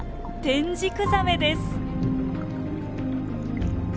テンジクザメです。